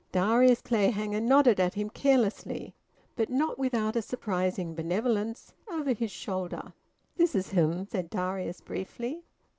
Darius Clayhanger nodded at him carelessly, but not without a surprising benevolence, over his shoulder. "This is him," said Darius briefly.